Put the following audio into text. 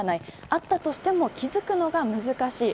あったとしても気づくのが難しい。